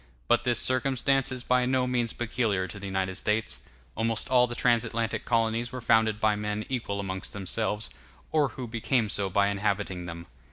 But this circumstance is by no means peculiar to the United States; almost all the trans Atlantic colonies were founded by men equal amongst themselves, or who became so by inhabiting them.